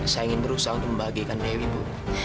saya ingin berusaha untuk membagikan dewi bu